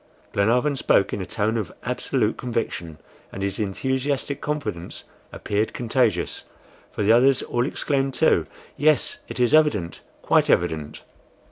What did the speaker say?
Glenarvan spoke in a tone of absolute conviction, and his enthusiastic confidence appeared contagious, for the others all exclaimed, too, "Yes, it is evident, quite evident!"